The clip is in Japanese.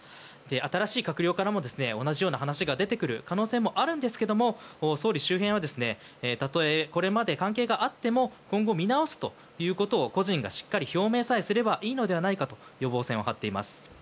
新しい閣僚からも同じような話が出てくる可能性もあるんですが総理周辺はたとえこれまで関係があっても今後、見直すということを個人がしっかり表明さえすればいいのではないかと予防線を張っています。